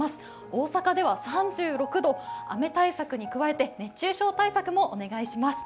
大阪では３６度、雨対策に加えて熱中症対策もお願いします。